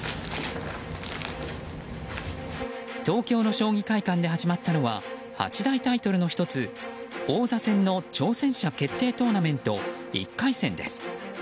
東京の将棋会館で始まったのは八大タイトルの１つ王座戦の挑戦者決定トーナメント１回戦です。